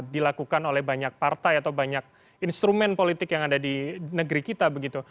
dilakukan oleh banyak partai atau banyak instrumen politik yang ada di negeri kita begitu